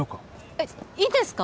えいいんですか？